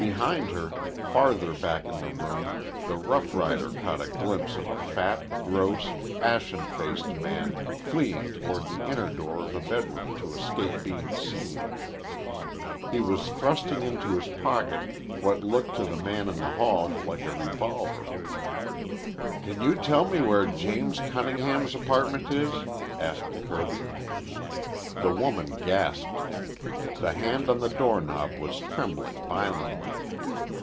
Behind her, farther back in the room, the roughrider caught a glimpse of a fat, gross, ashen faced man fleeing toward the inner door of a bedroom to escape being seen. He was thrusting into his coat pocket what looked to the man in the hall like a revolver. "Can you tell me where James Cunningham's apartment is?" asked Kirby. The woman gasped. The hand on the doorknob was trembling violently.